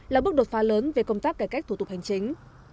là bước đột phá lớn về công tác cải cách thủ tục hành chính